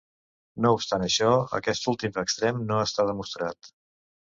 No obstant això, aquest últim extrem no està demostrat.